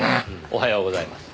おはようございます。